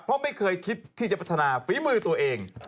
เพราะไม่เคยคิดที่จะพัฒนาฝีมือตัวเอง